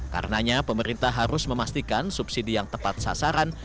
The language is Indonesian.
karenanya pemerintah harus memastikan subsidi yang tepat sasaran